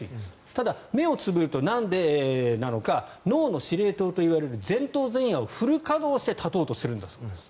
ただ、目をつぶるとなんでなのか脳の司令塔といわれる前頭前野をフル稼働して立とうとするんだそうです。